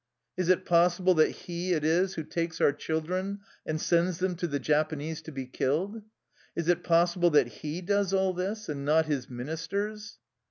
Is it pos sible that he it is who takes our children and sends them to the Japanese to be killed? Is it possible that he does all this, and not his minis ters?''